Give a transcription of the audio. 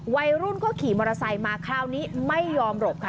วัยรุ่นก็ขี่มอเตอร์ไซค์มาคราวนี้ไม่ยอมหลบค่ะ